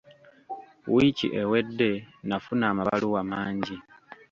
Wiiki ewedde nafuna amabaluwa mangi.